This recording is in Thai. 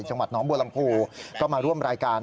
จังหวัดน้องบัวลำพูก็มาร่วมรายการ